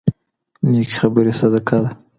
نيکې خبرې صدقه ده.